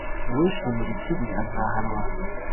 Uwishimira ikibi, azahanwa,